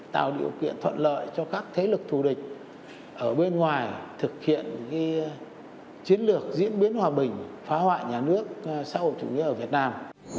tạo điều kiện thuận lợi cho các thế lực thù địch ở bên ngoài thực hiện chiến lược diễn biến hòa bình phá hoại nhà nước xã hội chủ nghĩa ở việt nam